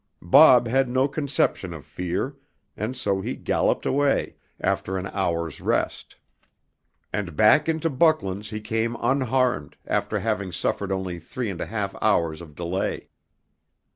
"Bob" had no conception of fear, and so he galloped away, after an hour's rest. And back into Bucklands he came unharmed, after having suffered only three and a half hours of delay.